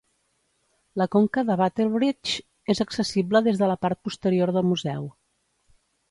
La conca de Battlebridge és accessible des de la part posterior del museu.